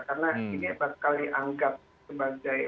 karena ini berkali anggap sebagai